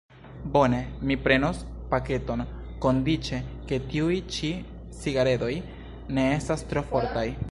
Bone, mi prenos paketon, kondiĉe, ke tiuj ĉi cigaredoj ne estas tro fortaj.